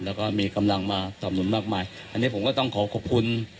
แล้วก็มีกำลังมาสำนุนมากมายอันนี้ผมก็ต้องขอขอบคุณ